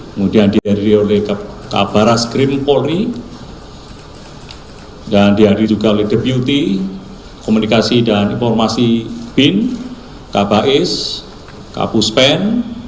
kemudian dihadiri oleh kabaraskrim polri dan dihadiri juga oleh deputi komunikasi dan informasi bin kabahis kapuspen